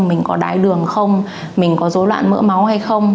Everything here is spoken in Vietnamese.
mình có đái đường không mình có dối loạn mỡ máu hay không